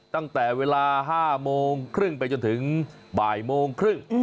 ตั้งแต่เวลา๕โมงครึ่งไปจนถึงบ่ายโมงครึ่ง